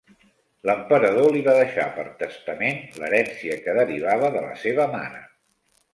L'emperador li va deixar per testament l'herència que derivava de la seva mare.